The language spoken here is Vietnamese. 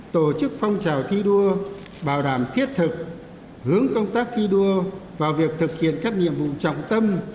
tổ chức phong trào thi đua bảo đảm thiết thực hướng công tác thi đua vào việc thực hiện các nhiệm vụ trọng tâm